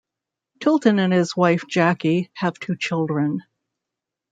Tilton and his wife, Jackie, have two children.